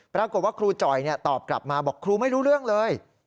ปรากฏว่าครูจ่อยตอบกลับมาบอกครูไม่รู้เรื่องเลย